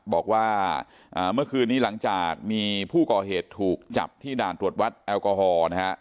บอกว่าเมื่อคืนนี้หลังจากมีผู้ก่อเหตุถูกจับที่ด่านตรวจวัดแอลกอฮอล์นะฮะ